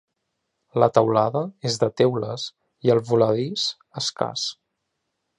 La teulada és de teules i el voladís escàs.